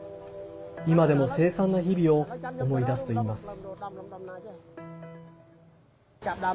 今でも凄惨な日々を思い出すといいます。